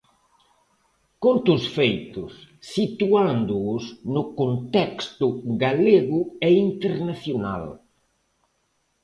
Conto os feitos, situándoos no contexto galego e internacional.